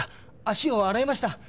足を洗いました！